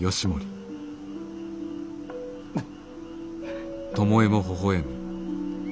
フッ。